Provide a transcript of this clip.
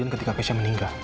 ketika pesha meninggal